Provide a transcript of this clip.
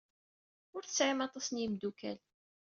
Ur tesɛim aṭas n yimeddukal.